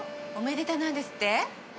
おめでたなんですって？